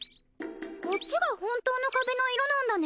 こっちが本当の壁の色なんだね。